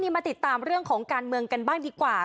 มาติดตามเรื่องของการเมืองกันบ้างดีกว่า